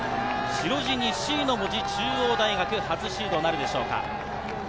白地に「Ｃ」の文字、中央大学、初シードなるでしょうか？